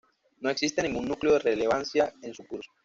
No existe ningún núcleo de relevancia en su curso.